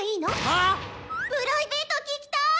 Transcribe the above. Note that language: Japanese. はっ⁉プライベート聞きたい！